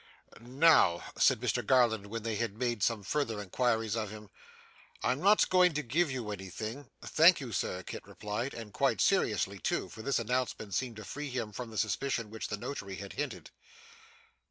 'Now,' said Mr Garland when they had made some further inquiries of him, 'I am not going to give you anything ' 'Thank you, sir,' Kit replied; and quite seriously too, for this announcement seemed to free him from the suspicion which the Notary had hinted.